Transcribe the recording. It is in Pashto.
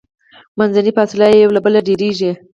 منځنۍ فاصله یې یو له بله ډیریږي.